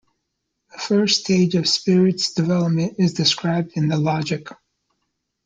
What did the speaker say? The first stage of Spirit's development is described in the Logic.